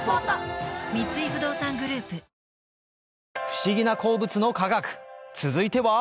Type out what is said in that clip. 不思議な鉱物の科学